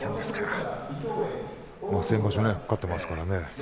先場所は勝ってますからね。